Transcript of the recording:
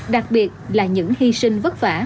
đặc biệt là những hy sinh vất vả